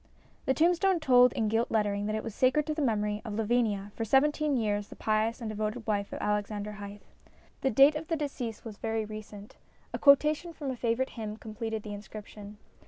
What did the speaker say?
The tombstone told in gilt lettering that it was sacred to the memory of Lavinia, for seventeen years the pious and devoted wife of Alexander Hythe. The date of the decease was very recent. A quotation from a favourite hymn completed the inscription.